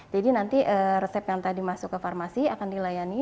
jadi nanti resep yang tadi masuk ke farmasi akan dilayani